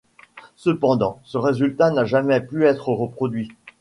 Cependant, ce résultat n'a jamais pu être reproduit.